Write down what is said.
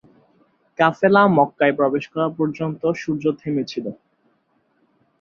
কাফেলা মক্কায় প্রবেশ করা পর্যন্ত সূর্য থেমে ছিল।